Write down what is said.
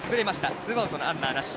ツーアウト、ランナーなし。